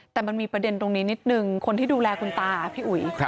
แต่มันมีประเด็นตรงนี้นิดนึงคนที่ดูแลคุณตาพี่อุ๋ย